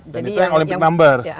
dan itu yang olympic numbers